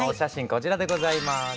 こちらでございます。